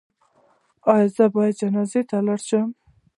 ایا زه باید جنازې ته لاړ شم؟